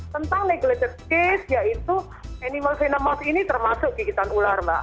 tentang neglated case yaitu animal ynemas ini termasuk gigitan ular mbak